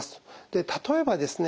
例えばですね